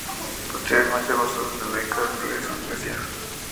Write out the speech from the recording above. Posteriormente gozó de una beca de estudios a Suecia.